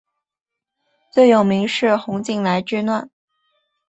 最有名是洪景来之乱。